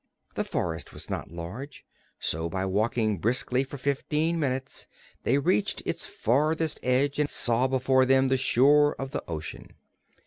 The forest was not large, so by walking briskly for fifteen minutes they reached its farthest edge and saw before them the shore of the ocean.